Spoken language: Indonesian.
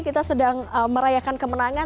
kita sedang merayakan kemenangan